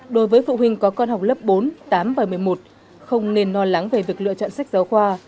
đối với phụ huynh có con học lớp bốn tám và một mươi một không nên no lắng về việc lựa chọn sách giáo khoa